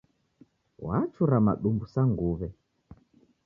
Wachura madumbu sa nguwe